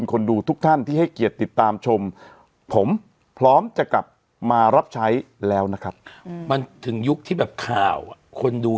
คนดูทุกท่านที่ให้เกียรติติดตามชมผมพร้อมจะกลับมารับใช้แล้วนะครับมันถึงยุคที่แบบข่าวคนดู